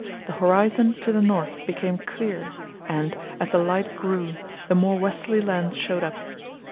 the horizon to the north became clear and, as the light grew, the more westerly land showed up.